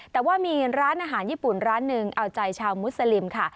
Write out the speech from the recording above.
แต่ว่ามีร้านอาหารญี่ปุ่นร้านหนึ่งเอาใจชาวมุสลิมค่ะ